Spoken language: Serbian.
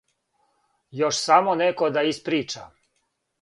Још само неко да исприча.